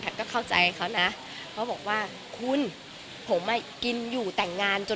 แพทย์ก็เข้าใจเขานะ